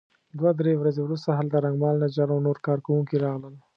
دوه درې ورځې وروسته هلته رنګمال نجار او نور کار کوونکي راغلل.